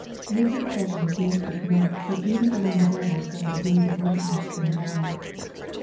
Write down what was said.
] This expression seems to denote that even among devils there are degrees of wickedness and mahoe.